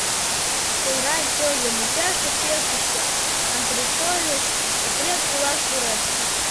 Февраль тылзе мучаште пӧртышкӧ, антресольыш, Секрет илаш пурен.